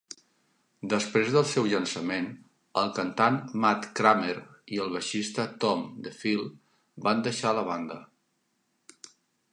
Després del seu llançament, el cantant Matt Kramer i el baixista Tom Defile van deixar la banda.